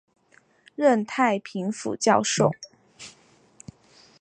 任太平府教授。